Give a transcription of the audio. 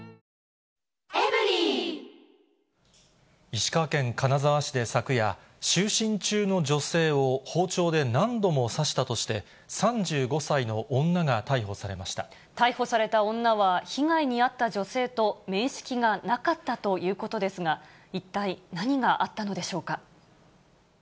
石川県金沢市で昨夜、就寝中の女性を包丁で何度も刺したとして、逮捕された女は、被害に遭った女性と面識がなかったということですが、一体何があったのでしょうか。